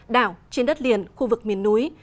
đảo trên đất liền khu vực miền núi